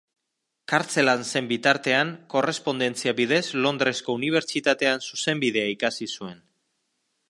Kartzelan zen bitartean, korrespondentzia bidez Londresko Unibertsitatean Zuzenbidea ikasi zuen.